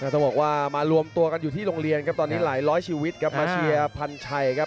ต้องบอกว่ามารวมตัวกันอยู่ที่โรงเรียนครับตอนนี้หลายร้อยชีวิตครับมาเชียร์พันชัยครับ